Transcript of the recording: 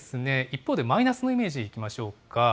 一方で、マイナスのイメージいきましょうか。